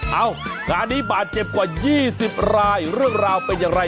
เอ้างานนี้บาดเจ็บกว่า๒๐รายเรื่องราวเป็นอย่างไร